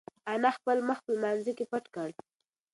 انا خپل مخ په لمانځه کې پټ کړ.